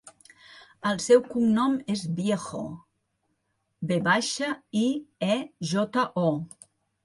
El seu cognom és Viejo: ve baixa, i, e, jota, o.